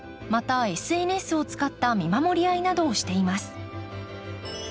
またＳＮＳを使った見守り合いなどをしています。